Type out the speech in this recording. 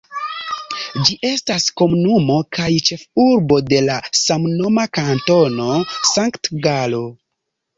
Ĝi estas komunumo kaj ĉefurbo de la samnoma Kantono Sankt-Galo.